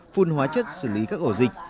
phun hóa chất xử lý các ổ dịch